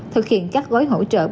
thực hiện các gối hỗ trợ